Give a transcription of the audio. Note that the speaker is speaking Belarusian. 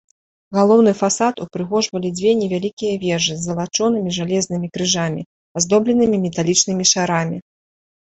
Галоўны фасад упрыгожвалі дзве невялікія вежы з залачонымі жалезнымі крыжамі, аздобленымі металічнымі шарамі.